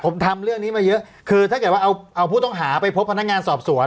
ผมทำเรื่องนี้มาเยอะคือถ้าเกิดว่าเอาเอาผู้ต้องหาไปพบพนักงานสอบสวน